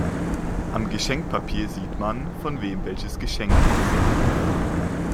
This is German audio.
Am Geschenkpapier sieht man, von wem welches Geschenk ist.